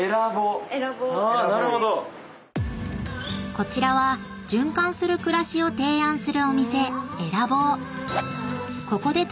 ［こちらは循環する暮らしを提案するお店］